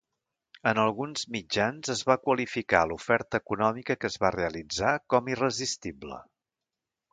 En alguns mitjans es va qualificar l'oferta econòmica que es va realitzar com irresistible.